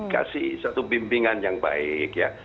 kasih satu bimbingan yang baik ya